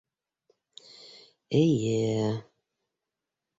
Эйе-е...